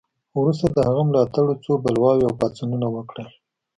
وروسته د هغه ملاتړو څو بلواوې او پاڅونونه وکړل.